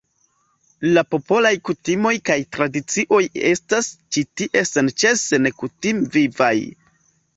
La popolaj kutimoj kaj tradicioj estas ĉi tie senĉese nekutime vivaj.